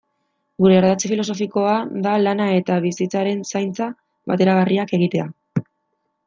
Gure ardatz filosofikoa da lana eta bizitzaren zaintza bateragarriak egitea.